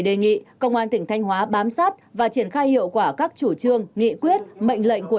đề nghị công an tỉnh thanh hóa bám sát và triển khai hiệu quả các chủ trương nghị quyết mệnh lệnh của